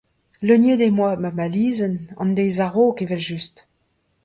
Leuniet em boa ma malizenn an deiz a-raok evel-just.